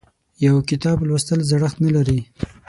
یو کتاب لوستل زړښت نه لري.